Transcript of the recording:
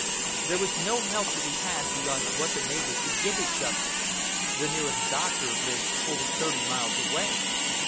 There was no help to be had beyond what the neighbors could give each other. The nearest doctor lived fully thirty miles away.